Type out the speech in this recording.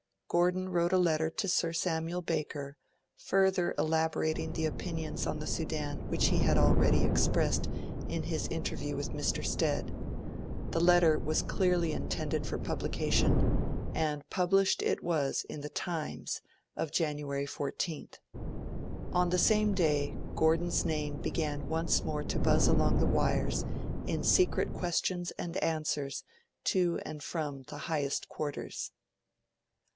Gordon wrote a letter to Sir Samuel Baker, further elaborating the opinions on the Sudan which he had already expressed in his interview with Mr. Stead; the letter was clearly intended for publication, and published it was in "The Times" of January 14th. On the same day, Gordon's name began once more to buzz along the wires in secret questions and answers to and from the highest quarters.